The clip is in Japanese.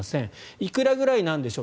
いくらぐらいなんでしょう。